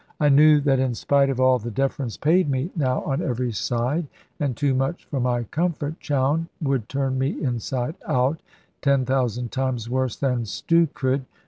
I knew that in spite of all the deference paid me now on every side (and too much for my comfort), Chowne would turn me inside out, ten thousand times worse than Stew could.